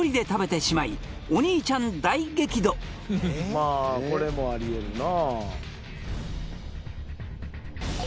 まあこれもありえるな